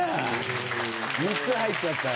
３つ入っちゃったよ。